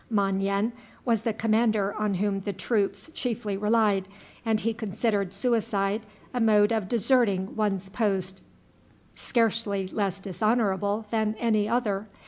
Mon yen was the commander on whom the troops chiefly relied, and he considered suicide a mode of deserting one's post scarcely less dishonorable than any other.